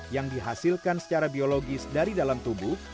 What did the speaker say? yang dihasilkan secara biologis dari dalam tubuh